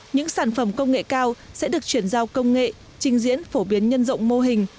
những sản phẩm công nghệ cao sẽ được chuyển giao công nghệ trình diễn phổ biến nhân rộng mô hình